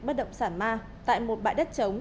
bất động sản ma tại một bãi đất trống